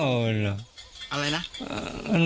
อะไรนะ